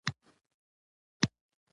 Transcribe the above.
که سړی هر څه ناروغ وو په ځان خوار وو